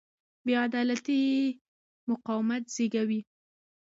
بې عدالتي مقاومت زېږوي